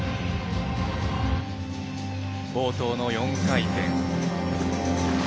冒頭の４回転。